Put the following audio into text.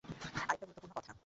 আরেকটা গুরুত্বপূর্ণ কথা।